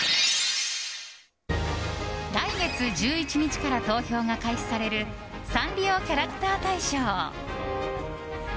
来月１１日から投票が開始されるサンリオキャラクター大賞。